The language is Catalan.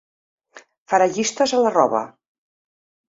Farà llistes a la roba.